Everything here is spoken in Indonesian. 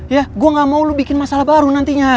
ya gua gak mau lu bikin masalah baru nantinya